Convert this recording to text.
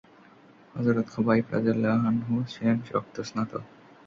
হযরত খুবাইব রাযিয়াল্লাহু আনহু ছিলেন রক্তস্নাত।